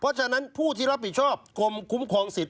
เพราะฉะนั้นผู้ที่รับผิดชอบกรมคุ้มครองสิทธ